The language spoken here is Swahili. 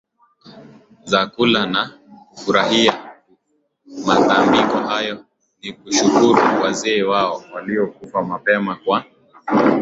za kula na kufurahia tu Matambiko hayo ni kushukuru wazee wao waliokufa mapema kwa